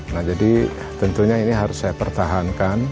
nah jadi tentunya ini harus saya pertahankan